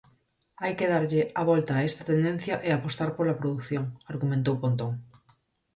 Hai que darlle a volta a esta tendencia e apostar pola produción, argumentou Pontón.